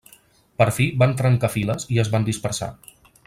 Per fi van trencar files i es van dispersar.